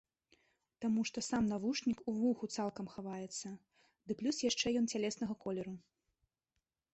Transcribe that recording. Таму што сам навушнік у вуху цалкам хаваецца, ды плюс яшчэ ён цялеснага колеру.